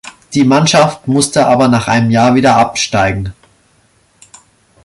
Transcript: Die Mannschaft musste aber nach einem Jahr wieder absteigen.